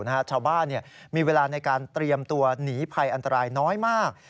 ชาวบ้านมีเวลาในการเตรียมตัวหนีภัยอันตรายน้อยมาก